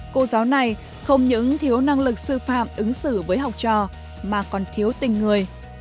cô giáo này không những thiếu năng lực sư phạm ứng xử với học trò mà còn thiếu tình người